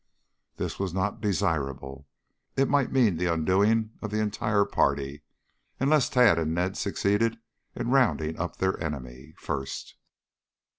This was not desirable. It might mean the undoing of the entire party unless Tad and Ned succeeded in rounding up their enemy first.